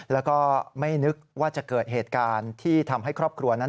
แล้วก็ไม่นึกว่าจะเกิดเหตุการณ์ที่ทำให้ครอบครัวนั้น